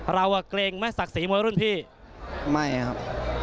เราเกรงไหมศักดิ์ศรีมวยรุ่นพี่ไม่ครับ